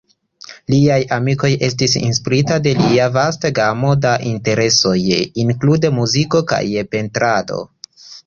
Liaj amikoj estis inspirita de lia vasta gamo da interesoj, inklude muziko kaj pentrado.